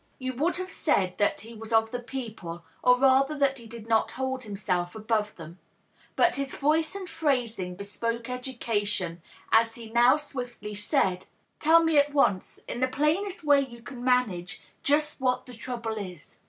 You would have said that he was of the people, or rather that he did not hold himself above them ; but his voice and phrasing bespoke education, as he now swiftly said, —" Tell me at once, in the plainest way you can manage, just what the trouble is."